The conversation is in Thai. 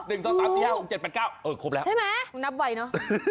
ครบแล้วใช่ไหมนับไวเนอะ